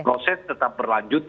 proses tetap berlanjut ya